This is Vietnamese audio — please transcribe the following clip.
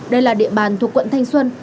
đây là địa bàn thuộc quận thanh xuân